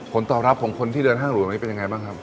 ผลตอบรับของคนที่เดินห้างหลวงวันนี้เป็นยังไงบ้างครับ